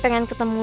pangeran batu bata